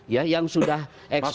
ya yang sudah ekspaya